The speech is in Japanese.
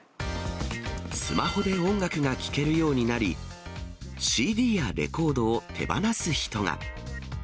スマホで音楽が聴けるようになり、ＣＤやレコードを手放す人が。